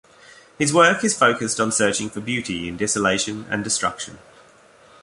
His work is focused on searching for beauty in desolation and destruction.